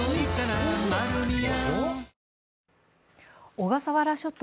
小笠原諸島